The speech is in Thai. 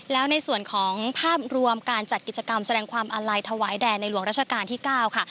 แล้วในส่วนของภาพรวมการจัดกิจกรรมแสดงความอาลัยถวายแด่ในหลวงราชการที่๙ค่ะ